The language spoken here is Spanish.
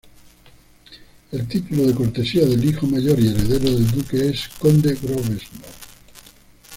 El título de cortesía del hijo mayor y heredero del Duque es "Conde Grosvenor".